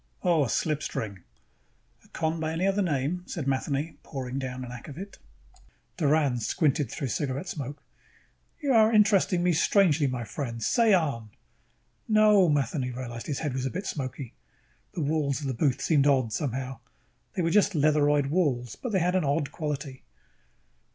Oh. A slipstring." "A con by any other name," said Matheny, pouring down an akvavit. Doran squinted through cigarette smoke. "You are interesting me strangely, my friend. Say on." "No." Matheny realized his head was a bit smoky. The walls of the booth seemed odd, somehow. They were just leatheroid walls, but they had an odd quality.